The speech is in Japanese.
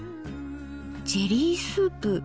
ジェリースープ。